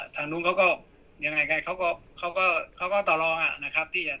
ทางนู้นเขาก็อย่างไรไงเขาก็ต่อรองนะครับ